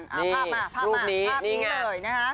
ภาพนั้นความภาพนี้เลยนะคะ